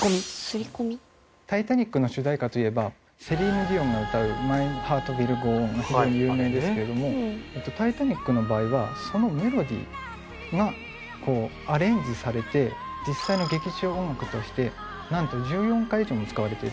『タイタニック』の主題歌といえばＣｅｌｉｎｅＤｉｏｎが歌う『ＭｙＨｅａｒｔＷｉｌｌＧｏＯｎ』非常に有名ですけれども『タイタニック』の場合はそのメロディーがこうアレンジされて実際の劇中音楽としてなんと１４回以上も使われている。